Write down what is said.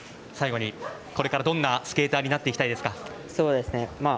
最後に、これからどんなスケーターになっていきたいですか？